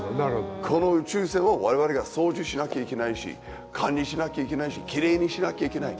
この宇宙船を我々が操縦しなきゃいけないし管理しなきゃいけないしきれいにしなきゃいけない。